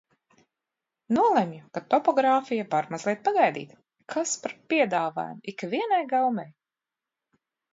Nolemju, ka topogrāfija var mazliet pagaidīt. Kas par piedāvājumu ikvienai gaumei!